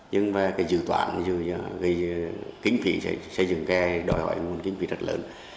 nhưng về dự toán dự gây kính phỉ xây dựng kè đòi hỏi nguồn kính phỉ rất lớn